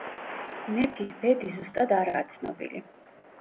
მეფის ბედი ზუსტად არაა ცნობილი.